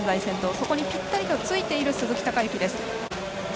そこにぴったりとついている鈴木孝幸です。